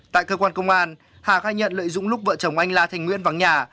tại cơ quan công an hà khai nhận lợi dụng lúc vợ chồng anh la thành nguyễn vắng nhà